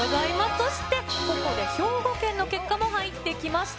そして、ここで兵庫県の結果も入ってきました。